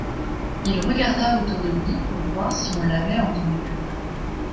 Il regarda autour de lui pour voir si on l’avait entendu.